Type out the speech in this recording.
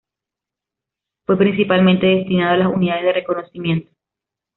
Fue principalmente destinado a las unidades de reconocimiento.